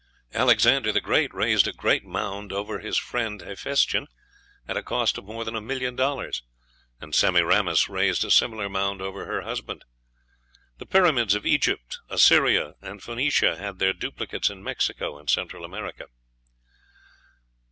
Alexander the Great raised a great mound over his friend Hephæstion, at a cost of more than a million dollars; and Semiramis raised a similar mound over her husband. The pyramids of Egypt, Assyria, and Phoenicia had their duplicates in Mexico and Central America.